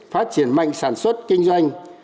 phát triển mạnh sản xuất kinh doanh